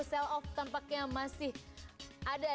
sell off tampaknya masih ada ya